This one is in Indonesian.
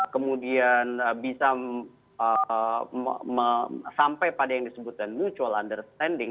kemudian bisa sampai pada yang disebutkan mutual understanding